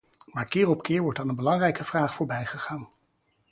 Maar keer op keer wordt aan een belangrijke vraag voorbijgegaan.